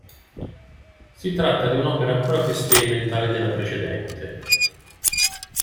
Si tratta di un'opera ancora più "sperimentale" della precedente.